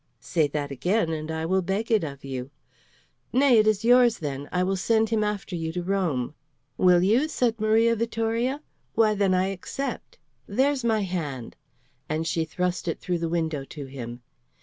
"Say that again, and I will beg it of you." "Nay, it is yours, then. I will send him after you to Rome." "Will you?" said Maria Vittoria. "Why, then, I accept. There's my hand;" and she thrust it through the window to him.